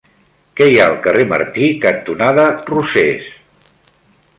Què hi ha al carrer Martí cantonada Rosés?